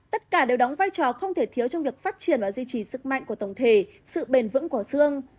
tất cả đều đóng vai trò không thể thiếu trong việc phát triển và duy trì sức mạnh của tổng thể sự bền vững của xương